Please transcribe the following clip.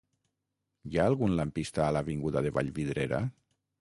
Hi ha algun lampista a l'avinguda de Vallvidrera?